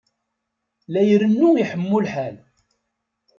La irennu iḥemmu lḥal.